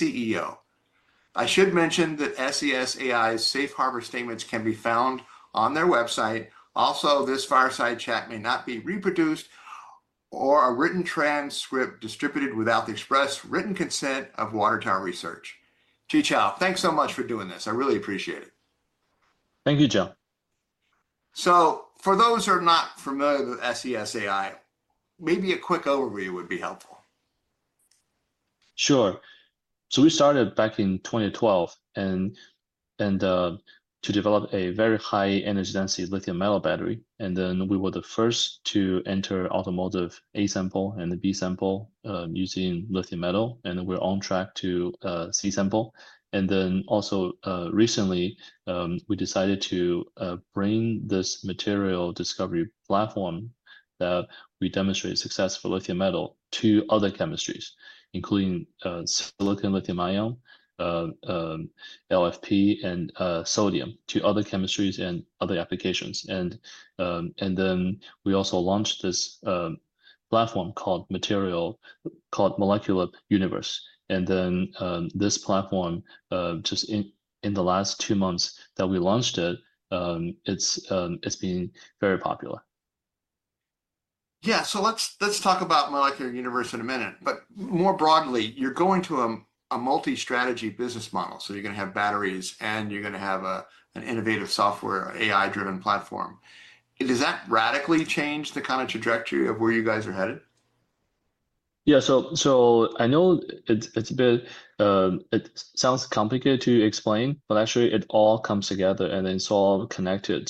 CEO. I should mention that SES AI's safe harbor statements can be found on their website. Also, this fireside chat may not be reproduced or a written transcript distributed without the express written consent of Water Tower Research. Qichao, thanks so much for doing this. I really appreciate it. Thank you, Joe. For those who are not familiar with SES AI, maybe a quick overview would be helpful. Sure. We started back in 2012 to develop a very high energy-density lithium metal battery. We were the first to enter automotive A sample and B sample using lithium metal, and we're on track to C sample. Recently, we decided to bring this material discovery platform that we demonstrated success for lithium metal to other chemistries, including silicon lithium-ion, LFP, and sodium, to other chemistries and other applications. We also launched this platform called Molecular Universe. This platform, just in the last two months that we launched it, has been very popular. Let's talk about Molecular Universe in a minute. More broadly, you're going to a multi-strategy business model. You're going to have batteries, and you're going to have an innovative software, AI-driven platform. Does that radically change the kind of trajectory of where you guys are headed? Yeah, I know it sounds complicated to explain, but actually it all comes together and it's all connected.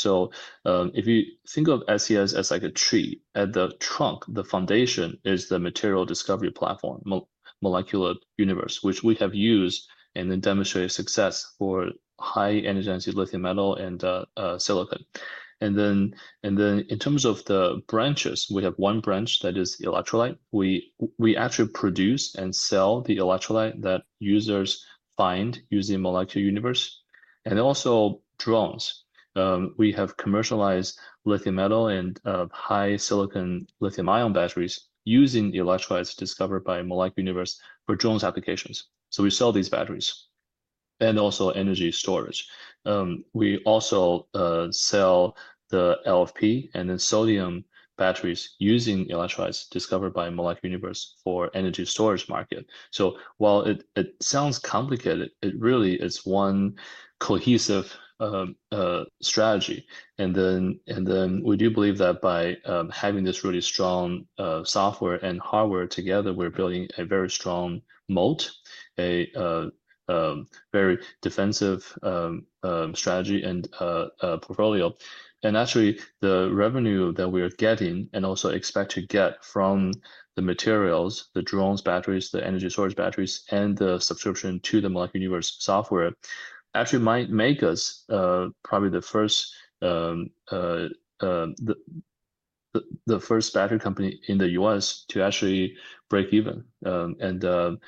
If you think of SES AI as like a tree, at the trunk, the foundation is the material discovery platform, Molecular Universe, which we have used and then demonstrated success for high energy-density lithium metal and silicon. In terms of the branches, we have one branch that is electrolyte. We actually produce and sell the electrolyte that users find using Molecular Universe. Also, drones. We have commercialized lithium metal and high silicon lithium-ion batteries using the electrolytes discovered by Molecular Universe for drone applications. We sell these batteries and also energy storage. We also sell the LFP and sodium batteries using electrolytes discovered by Molecular Universe for the energy storage market. While it sounds complicated, it really is one cohesive strategy. We do believe that by having this really strong software and hardware together, we're building a very strong moat, a very defensive strategy and portfolio. Actually, the revenue that we're getting and also expect to get from the materials, the drones, batteries, the energy storage batteries, and the subscription to the Molecular Universe software actually might make us probably the first, the first battery company in the U.S. to actually break even, and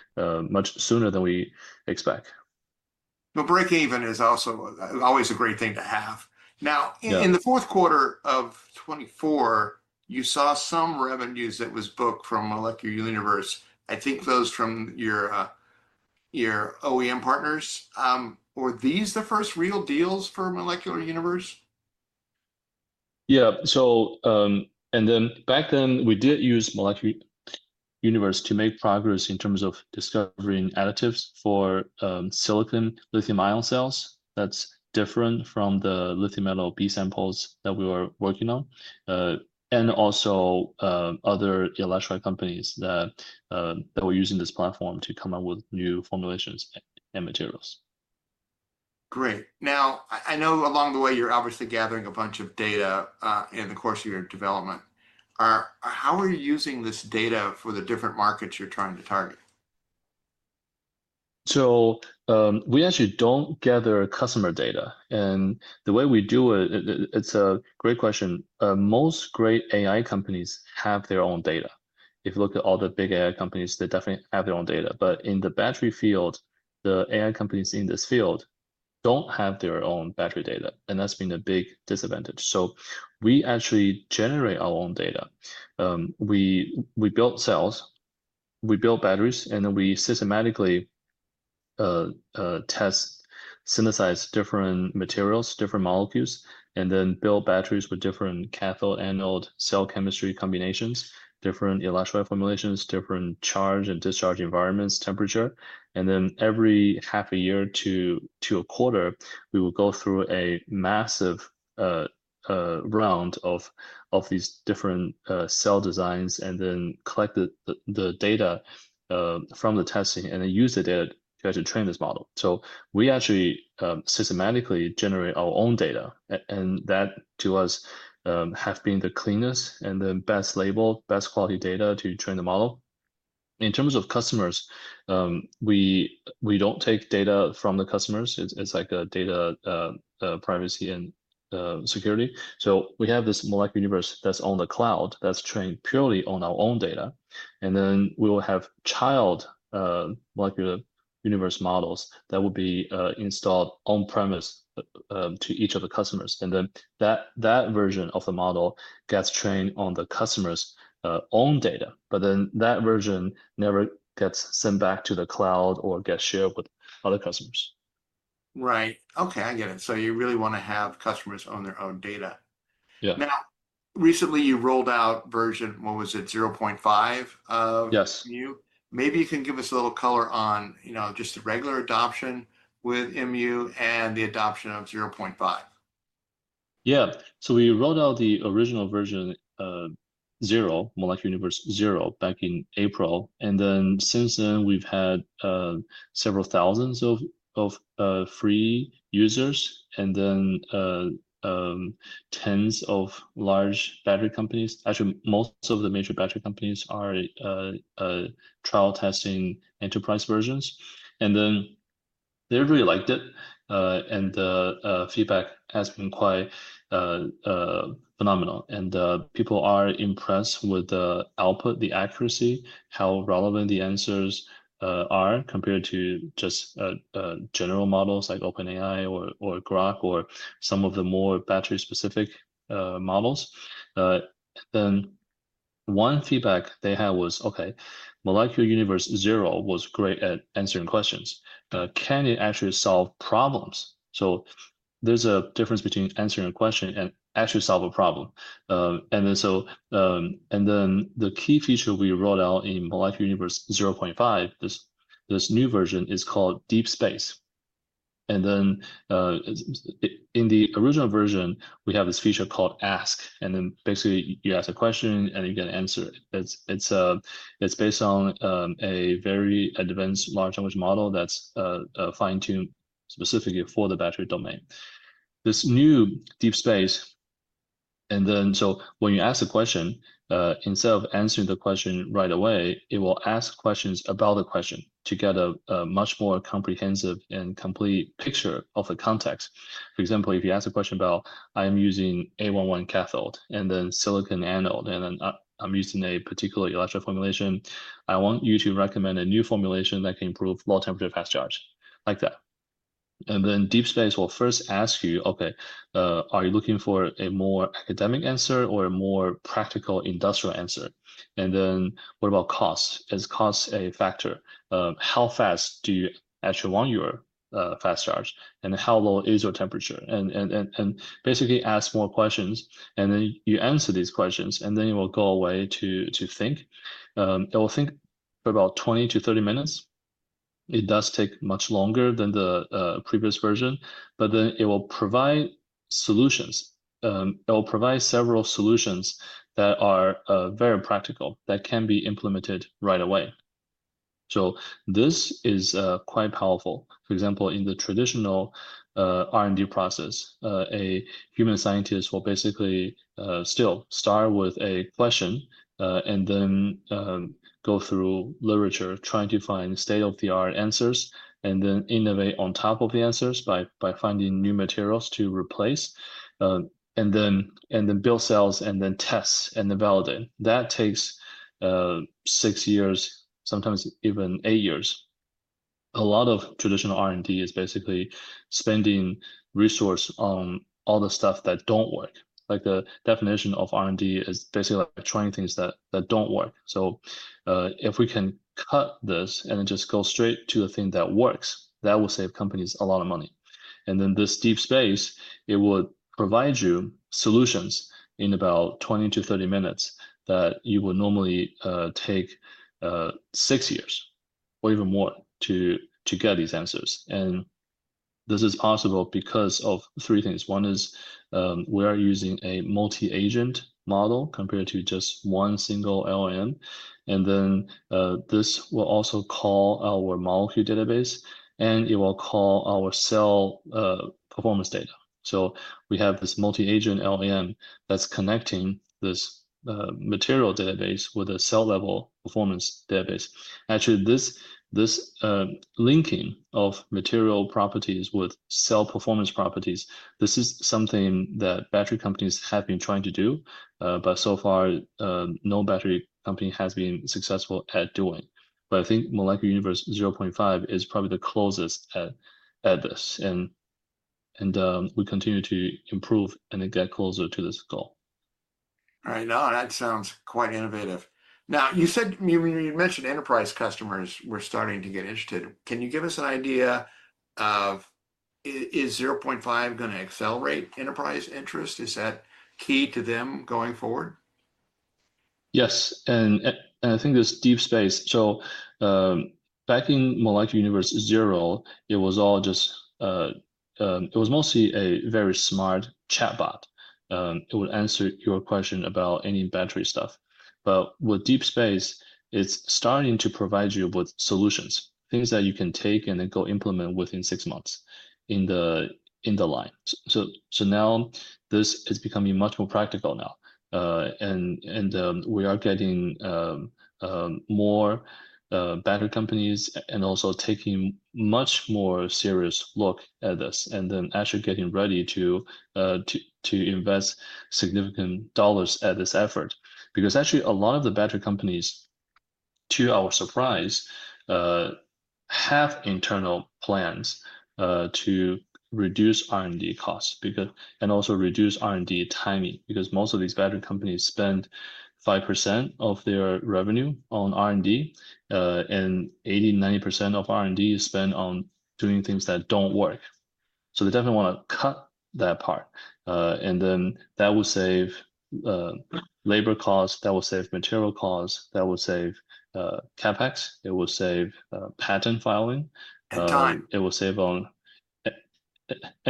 much sooner than we expect. Break even is also always a great thing to have. In the fourth quarter of 2024, you saw some revenues that were booked from Molecular Universe. I think those from your OEM partners. Were these the first real deals for Molecular Universe? Yeah, so back then we did use Molecular Universe to make progress in terms of discovering additives for silicon lithium-ion cells. That's different from the lithium metal B samples that we were working on. Also, other electrolyte companies were using this platform to come up with new formulations and materials. Great. Now, I know along the way you're obviously gathering a bunch of data in the course of your development. How are you using this data for the different markets you're trying to target? We actually don't gather customer data. The way we do it, it's a great question. Most great AI companies have their own data. If you look at all the big AI companies, they definitely have their own data. In the battery field, the AI companies in this field don't have their own battery data, and that's been a big disadvantage. We actually generate our own data. We build cells, we build batteries, and then we systematically test, synthesize different materials, different molecules, and then build batteries with different cathode-anode cell chemistry combinations, different electrolyte formulations, different charge and discharge environments, temperature. Every half a year to a quarter, we will go through a massive round of these different cell designs and then collect the data from the testing and then use the data to actually train this model. We actually systematically generate our own data, and that, to us, has been the cleanest and the best label, best quality data to train the model. In terms of customers, we don't take data from the customers. It's like a data privacy and security. We have this Molecular Universe that's on the cloud that's trained purely on our own data. We will have child Molecular Universe models that will be installed on-premise to each of the customers, and then that version of the model gets trained on the customer's own data. That version never gets sent back to the cloud or gets shared with other customers. Right. Okay, I get it. You really want to have customers own their own data. Yeah. Now, recently, you rolled out version, what was it, 0.5 of MU? Yes. Maybe you can give us a little color on, you know, just the regular adoption with MU and the adoption of 0.5. Yeah, so we rolled out the original version, zero, Molecular Universe-0, back in April. Since then, we've had several thousands of free users, and tens of large battery companies. Actually, most of the major battery companies are trial testing enterprise versions, and they really liked it. The feedback has been quite phenomenal, and people are impressed with the output, the accuracy, how relevant the answers are compared to just general models like OpenAI or Grok, or some of the more battery-specific models. One feedback they had was, okay, Molecular Universe 0 was great at answering questions. Can it actually solve problems? There's a difference between answering a question and actually solving a problem. The key feature we rolled out in Molecular Universe 0.5, this new version is called Deep Space. In the original version, we have this feature called Ask. Basically, you ask a question and you get an answer. It's based on a very advanced large language model that's fine-tuned specifically for the battery domain. This new Deep Space, when you ask a question, instead of answering the question right away, it will ask questions about the question to get a much more comprehensive and complete picture of the context. For example, if you ask a question about, I am using A11 cathode and then silicon anode, and I'm using a particular electrical formulation, I want you to recommend a new formulation that can improve low temperature fast charge, like that. Deep Space will first ask you, okay, are you looking for a more academic answer or a more practical industrial answer? What about cost? Is cost a factor? How fast do you actually want your fast charge? How low is your temperature? Basically, it will ask more questions. You answer these questions, and then it will go away to think. It will think for about 20 to 30 minutes. It does take much longer than the previous version, but then it will provide solutions. It will provide several solutions that are very practical that can be implemented right away. This is quite powerful. For example, in the traditional R&D process, a human scientist will basically start with a question, and then go through literature, trying to find state-of-the-art answers, and then innovate on top of the answers by finding new materials to replace, and then build cells and then test and then validate. That takes six years, sometimes even eight years. A lot of traditional R&D is basically spending resource on all the stuff that don't work. The definition of R&D is basically like trying things that don't work. If we can cut this and just go straight to the thing that works, that will save companies a lot of money. This Deep Space will provide you solutions in about 20 to 30 minutes that you would normally take six years or even more to get these answers. This is possible because of three things. One is, we are using a multi-agent model compared to just one single LLM. This will also call our molecule database, and it will call our cell performance data. We have this multi-agent LLM that's connecting this material database with a cell level performance database. Actually, this linking of material properties with cell performance properties, this is something that battery companies have been trying to do, but so far, no battery company has been successful at doing. I think Molecular Universe 0.5 is probably the closest at this. We continue to improve and get closer to this goal. I know that sounds quite innovative. Now, you said you mentioned enterprise customers were starting to get interested. Can you give us an idea of, is MU 0.5 going to accelerate enterprise interest? Is that key to them going forward? Yes, and I think this Deep Space, so back in Molecular Universe 0, it was all just, it was mostly a very smart chatbot. It would answer your question about any battery stuff. With Deep Space, it's starting to provide you with solutions, things that you can take and then go implement within six months in the line. Now this is becoming much more practical now, and we are getting more battery companies and also taking a much more serious look at this. They are actually getting ready to invest significant dollars at this effort. Actually, a lot of the battery companies, to our surprise, have internal plans to reduce R&D costs and also reduce R&D timing. Most of these battery companies spend 5% of their revenue on R&D, and 80%-90% of R&D is spent on doing things that don't work. They definitely want to cut that part, and that will save labor costs, that will save material costs, that will save CapEx, it will save patent filing, it will save on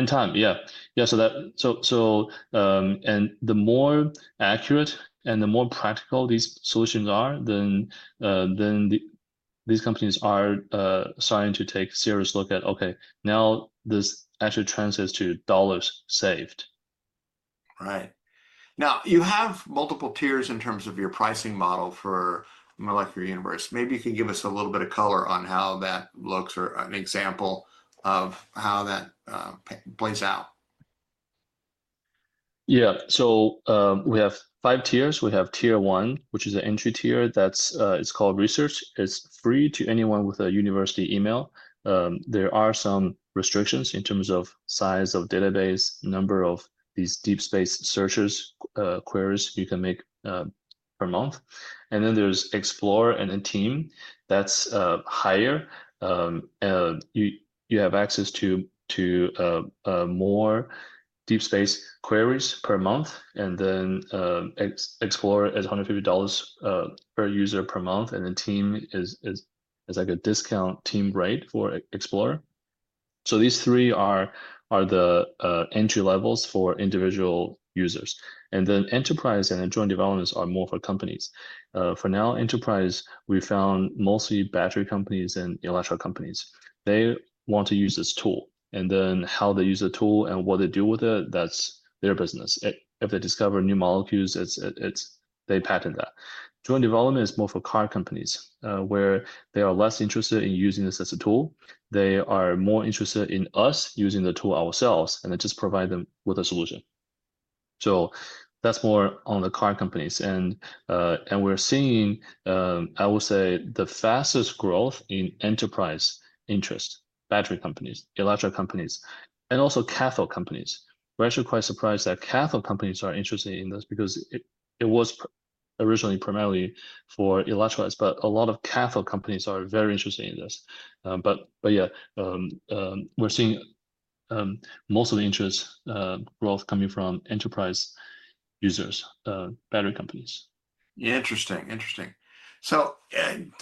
time, yeah. The more accurate and the more practical these solutions are, these companies are starting to take a serious look at, okay, now this actually translates to dollars saved. Right. Now, you have multiple tiers in terms of your pricing model for Molecular Universe. Maybe you can give us a little bit of color on how that looks or an example of how that plays out. Yeah, so, we have five tiers. We have tier one, which is the entry tier, that's called research. It's free to anyone with a university email. There are some restrictions in terms of size of database, number of these Deep Space searches, queries you can make per month. Then there's explorer and a team that's higher. You have access to more Deep Space queries per month. Explorer is $150 per user per month, and the team is like a discount team rate for explorer. These three are the entry levels for individual users. Enterprise and joint developments are more for companies. For now, enterprise, we found mostly battery companies and electric companies. They want to use this tool, and how they use the tool and what they do with it, that's their business. If they discover new molecules, they patent that. Joint development is more for car companies, where they are less interested in using this as a tool. They are more interested in us using the tool ourselves, and it just provides them with a solution. That's more on the car companies. We're seeing, I will say, the fastest growth in enterprise interest, battery companies, electric companies, and also cathode companies. We're actually quite surprised that cathode companies are interested in this because it was originally primarily for electrics, but a lot of cathode companies are very interested in this. We're seeing most of the interest growth coming from enterprise users, battery companies. Yeah, interesting, interesting. To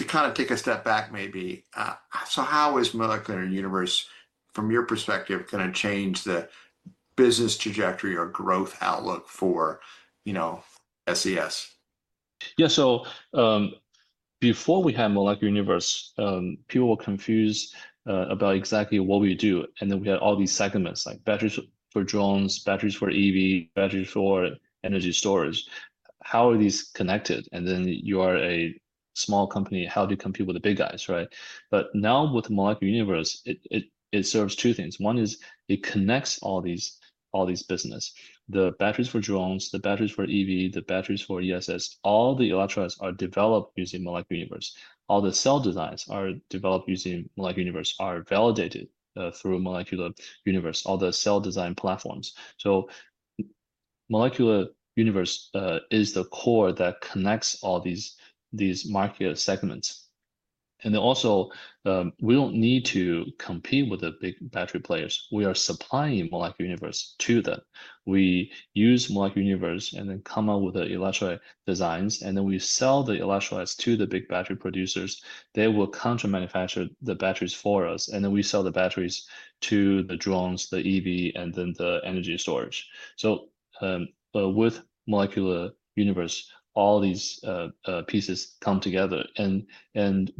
kind of take a step back maybe, how is Molecular Universe, from your perspective, going to change the business trajectory or growth outlook for, you know, SES? Yeah, so, before we had Molecular Universe, people were confused about exactly what we do. We had all these segments like batteries for drones, batteries for EV, batteries for energy storage. How are these connected? You are a small company, how do you compete with the big guys, right? Now with Molecular Universe, it serves two things. One is it connects all these businesses. The batteries for drones, the batteries for EV, the batteries for ESS, all the electrolytes are developed using Molecular Universe. All the cell designs are developed using Molecular Universe, are validated through Molecular Universe, all the cell design platforms. Molecular Universe is the core that connects all these market segments. We don't need to compete with the big battery players. We are supplying Molecular Universe to them. We use Molecular Universe and then come up with the electrolyte designs, and then we sell the electrolytes to the big battery producers. They will counter-manufacture the batteries for us, and then we sell the batteries to the drones, the EV, and the energy storage. With Molecular Universe, all these pieces come together.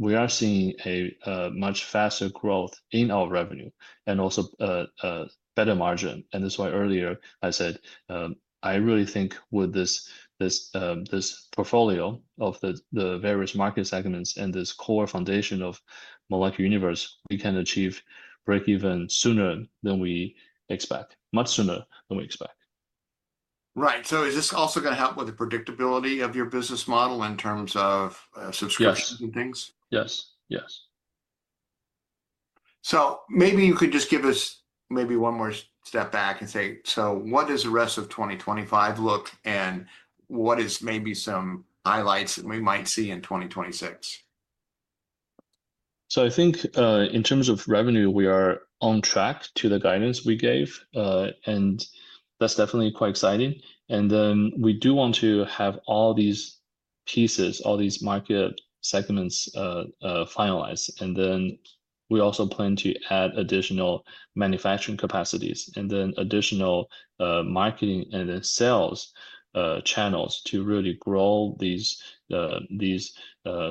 We are seeing a much faster growth in our revenue and also better margin. That's why earlier I said, I really think with this portfolio of the various market segments and this core foundation of Molecular Universe, we can achieve break even sooner than we expect, much sooner than we expect. Right, so is this also going to help with the predictability of your business model in terms of subscriptions and things? Yes, yes. Maybe you could just give us one more step back and say, what does the rest of 2025 look and what is maybe some highlights that we might see in 2026? I think, in terms of revenue, we are on track to the guidance we gave, and that's definitely quite exciting. We do want to have all these pieces, all these market segments, finalized. We also plan to add additional manufacturing capacities and additional marketing and sales channels to really grow these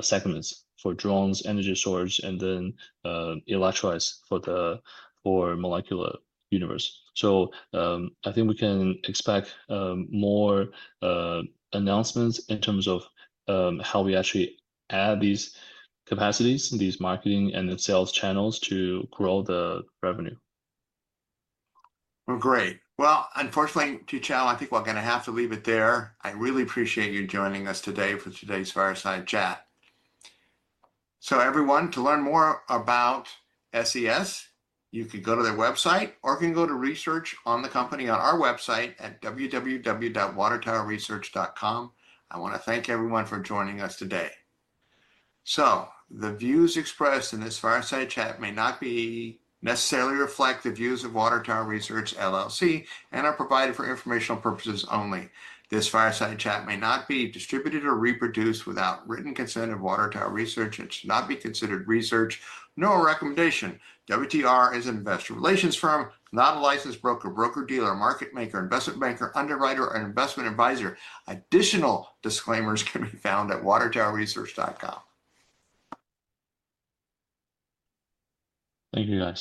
segments for drones, energy storage, and electrolytes for the Molecular Universe. I think we can expect more announcements in terms of how we actually add these capacities, these marketing and sales channels to grow the revenue. Great. Unfortunately, Qichao, I think we're going to have to leave it there. I really appreciate you joining us today for today's fireside chat. Everyone, to learn more about SES AI, you can go to their website or can go to research on the company on our website at www.watertowerresearch.com. I want to thank everyone for joining us today. The views expressed in this fireside chat may not necessarily reflect the views of Water Tower Research LLC and are provided for informational purposes only. This fireside chat may not be distributed or reproduced without written consent of Water Tower Research and should not be considered research nor a recommendation. WTR is an investor relations firm, not a licensed broker, broker-dealer, market-maker, investment-maker, underwriter, or investment advisor. Additional disclaimers can be found at watertowerresearch.com. Thank you, guys.